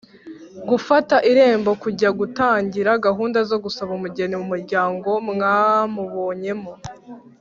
gufata irembo: kujya gutangira gahunda zo gusaba umugeni mu muryango mwamubonyemo